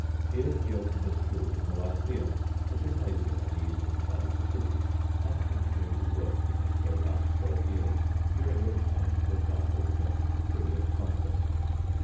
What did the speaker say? Here he opened a school in the Lycæum, a gymnasium on the eastern side of the city, and continued his work there for about twelve years, during which time Alexander was making his brilliant conquests.